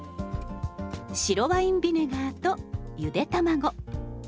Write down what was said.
白ワインビネガーとゆで卵。